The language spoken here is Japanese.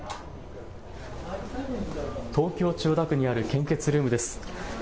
東京千代田区にある献血ルームです。